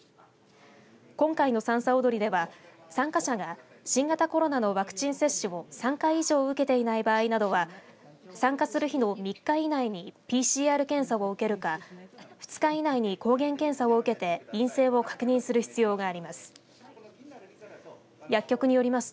今回のさんさ踊りでは参加者が新型コロナのワクチン接種を３回以上受けていない場合などは参加する日の３日以内にＰＣＲ検査を受けるか２日以内に抗原検査を受けて陰性を確認する必要があります。